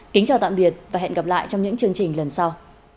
kính chào tạm biệt và hẹn gặp lại trong những chương trình lần sau